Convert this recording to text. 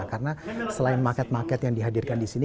karena selain market market yang dihadirkan di sini